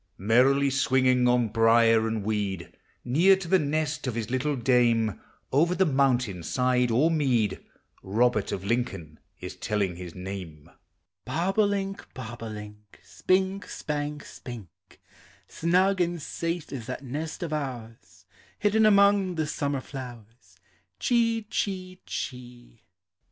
Merrily swinging on brier and weed, Near to the nest of his little dame, Over the mountain side or mead, Robert of Lincoln is telling his name: Bob o' link, bob o' link, Spink, spank, spink; Snug and safe is that nest of ours, Hidden among the summer flowers. Chee, chee, chee.